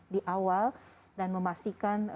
di awal dan memastikan